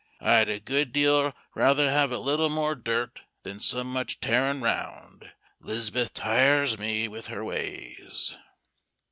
I'd a good deal rather have a little more dirt, than so much tearin' 'round. 'Liz'beth tires me, with her ways."